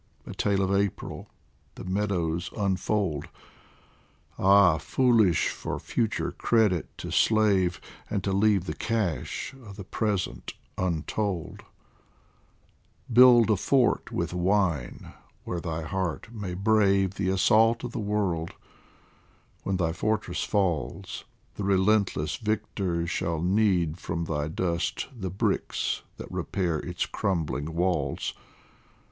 A tale of April the meadows unfold Ah, foolish for future credit to slave, And to leave the cash of the present untold ! Build a fort with wine where thy heart may brave The assault of the world ; when thy fortress falls, The relentless victor shall knead from thy dust The bricks that repair its crumbling walls.